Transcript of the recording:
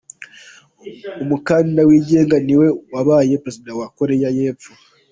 Umukandida wigenga niwe wabaye Perezida wa Koreya y’Epfo.